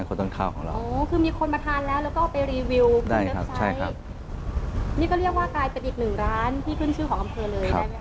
นี่ก็เรียกว่ากลายเป็นอีกหนึ่งร้านที่ขึ้นชื่อของกำเภอเลยได้ไหมครับ